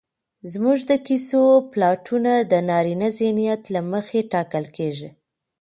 زموږ د کيسو پلاټونه د نارينه ذهنيت له مخې ټاکل کېږي